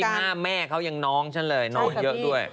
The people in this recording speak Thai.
เขาอยู่๒๕แม่เขายังน้องฉันเลยน้องเยอะด้วย